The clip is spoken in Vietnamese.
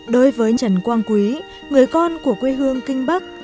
đối với trần quang quý người con của quê hương kinh bắc